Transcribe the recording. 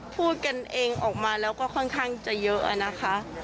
พูดกันเองออกมาแล้วก็ค่อนข้างจะเยอะอะนะคะ